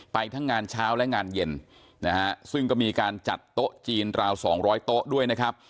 ทั้งงานเช้าและงานเย็นนะฮะซึ่งก็มีการจัดโต๊ะจีนราว๒๐๐โต๊ะด้วยนะครับ